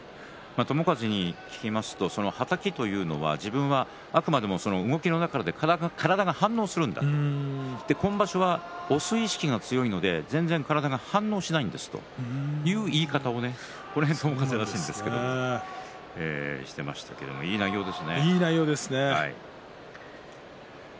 友風に聞きますとはたきというのは自分はあくまでも動きの中で体が反応するんだと今場所は押す意識が強いので全然体が反応しないんですという言い方もしたらしいんですけどいい内容ですね。